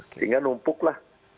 sehingga numpuk lah